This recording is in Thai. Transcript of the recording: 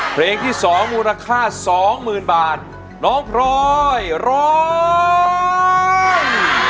เพลงที่สองมูลค่าสองหมื่นบาทน้องพลอยร้อง